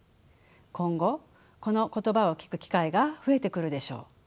今後この言葉を聞く機会が増えてくるでしょう。